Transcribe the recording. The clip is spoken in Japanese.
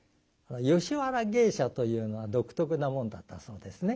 吉原芸者というのは独特なもんだったそうですね。